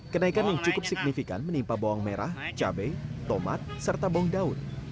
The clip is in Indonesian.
kenaikan yang cukup signifikan menimpa bawang merah cabai tomat serta bawang daun